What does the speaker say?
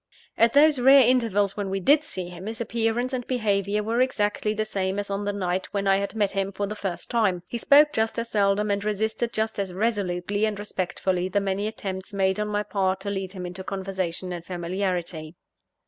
At those rare intervals when we did see him, his appearance and behaviour were exactly the same as on the night when I had met him for the first time; he spoke just as seldom, and resisted just as resolutely and respectfully the many attempts made on my part to lead him into conversation and familiarity.